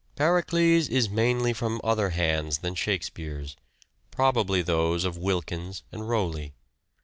" Pericles " is mainly from other hands than Shake " Pericles." speare's, probably those of Wilkins and Rowley.